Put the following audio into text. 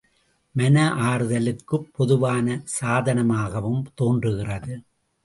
மன ஆறுதலுக்குப் பொதுவான சாதனமாகவும் தோன்றுகிறது.